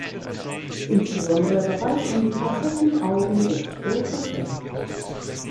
Insbesondere der Bereich um die Facettenaugen ist rot gefärbt.